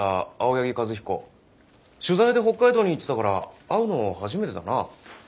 取材で北海道に行ってたから会うのは初めてだな。